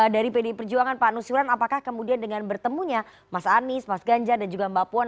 dari pdi perjuangan pak nusiran apakah kemudian dengan bertemunya mas anies mas ganjar dan juga mbak puan